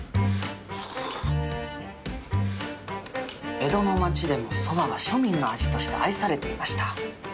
江戸の町でもそばは庶民の味として愛されていました。